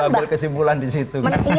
gabung kesimpulan di situ